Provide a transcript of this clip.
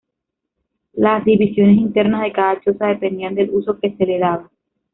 Las divisiones internas de cada choza dependían del uso que se le daba.